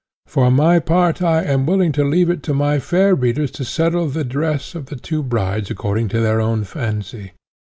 For my part I am willing to leave it to my fair readers to settle the dress of the two brides according to their own fancy.